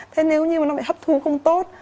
thế nếu như mà nó lại hấp thu không tốt